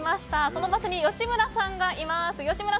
その場所に吉村さんがいます。